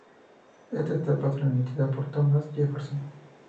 Este mapa, transmitida por Thomas Jefferson.